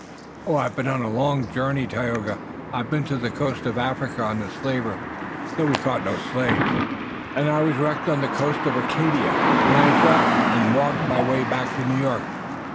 "Oh, I've been on a long voyage, Tayoga! I've been to the coast of Africa on a slaver, though we caught no slaves, and I was wrecked on the coast of Acadia, and I fought and walked my way back to New York!